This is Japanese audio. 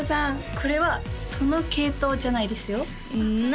これはその「継投」じゃないですよ何？